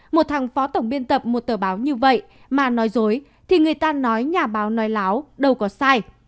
một thằng phó tổng biên tập một tờ báo như vậy mà nói dối thì người ta nói nhà báo nói láo đâu có sai